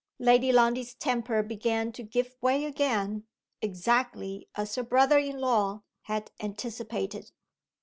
Lady Lundie's temper began to give way again exactly as her brother in law had anticipated.